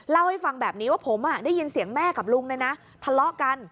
เล่าให้ฟังแบบนี้ว่าผมได้ยินเสียงแม่กับลุงเนี่ยนะทะเลาะกัน